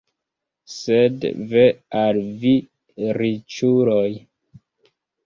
Sed ve al vi riĉuloj!